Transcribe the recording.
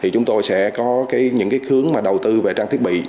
chúng tôi sẽ có những hướng đầu tư về trang thiết bị